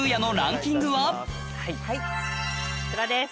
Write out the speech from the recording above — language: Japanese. はいこちらです。